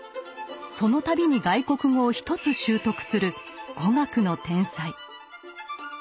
その度に外国語を１つ習得する語学の天才。